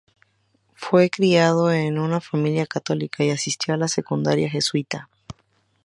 Fue criado en una familia católica, y asistió a la Secundaria Jesuita.